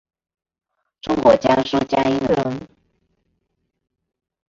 中国江苏江阴人。